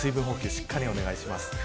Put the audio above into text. しっかりお願いします。